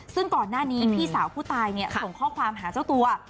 ซึ่งก่อนหน้านี้พี่สาวผู้ตายส่งข้อความหาเจ้าตัว